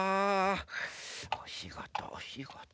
おしごとおしごと。